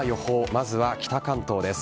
まずは北関東です。